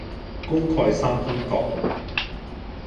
功蓋三分國